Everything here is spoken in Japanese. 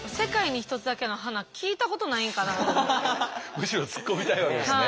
むしろツッコみたいわけですね。